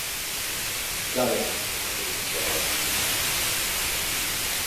Kal e a ne minsokh abî,